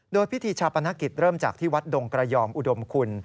โดยพิธีชาปนกิจเริ่มจากที่วัดดงกระยอมอุดมคุณ